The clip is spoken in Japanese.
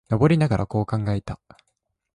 登りながら、こう考えた。